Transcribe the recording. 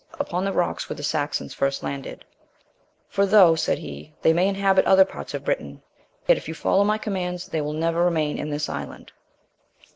upon the rock where the Saxons first landed; "for though," said he, "they may inhabit other parts of Britain, yet if you follow my commands, they will never remain in this island."